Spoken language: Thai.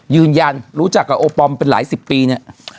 ยืนยันรู้จักกับโอปอมเป็นหลายสิบปีเนี่ย